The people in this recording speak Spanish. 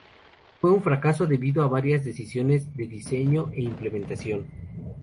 Fue un fracaso debido a varias decisiones de diseño e implementación.